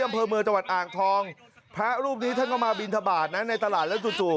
เพราะรูปนี้ท่านก็มาบินทบาทนะในตลาดแล้วจู่